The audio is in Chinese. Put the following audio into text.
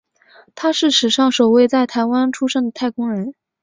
他是史上首位在台湾出生的太空人。